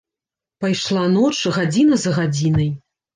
Пайшла ноч, гадзіна за гадзінай.